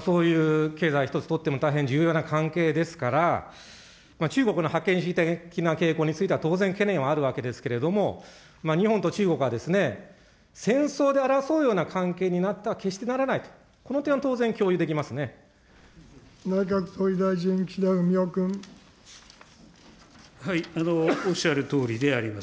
そういう経済一つ取っても、大変重要な関係ですから、中国の覇権主義的な傾向については当然懸念はあるわけですけれども、日本と中国は、戦争で争うような関係になっては決してならないと、この点は当然内閣総理大臣、岸田文雄君。おっしゃるとおりであります。